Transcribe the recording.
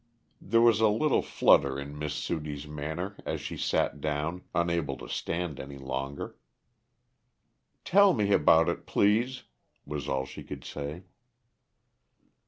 There was a little flutter in Miss Sudie's manner as she sat down, unable to stand any longer. "Tell me about it, please," was all she could say.